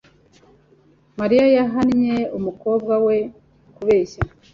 Mariya yahannye umukobwa we kubeshya.